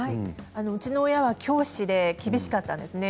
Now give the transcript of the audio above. うちの親は教師で厳しかったんですね。